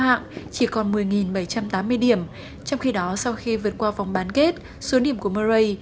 mạng chỉ còn một mươi bảy trăm tám mươi điểm trong khi đó sau khi vượt qua vòng bán kết số điểm của mery